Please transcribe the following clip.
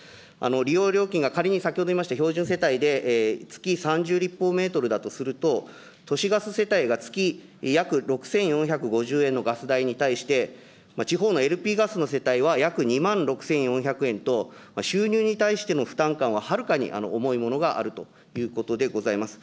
利用料金が仮に先ほどいいました標準世帯で月３０立方メートルだとすると、都市ガス世帯が月約６４５０円のガス代に対して、地方のＬＰガスの世帯は約２万６４００円と、収入に対しての負担感ははるかに重いものがあるということでございます。